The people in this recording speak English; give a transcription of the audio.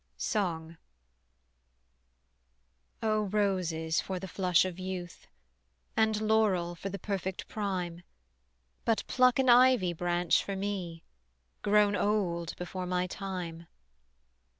SONG. O roses for the flush of youth, And laurel for the perfect prime; But pluck an ivy branch for me Grown old before my time.